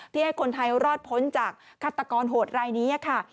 ให้คนไทยรอดพ้นจากฆาตกรโหดรายนี้ค่ะ